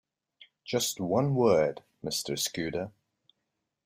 Just one word, Mr Scudder.